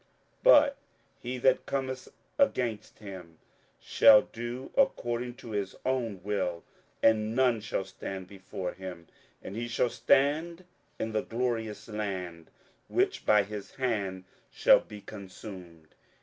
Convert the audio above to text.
27:011:016 But he that cometh against him shall do according to his own will, and none shall stand before him: and he shall stand in the glorious land, which by his hand shall be consumed.